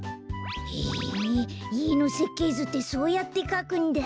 へえいえのせっけいずってそうやってかくんだ。